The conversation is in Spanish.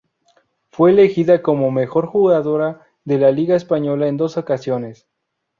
Fue elegida como mejor jugadora de la liga española en dos ocasiones.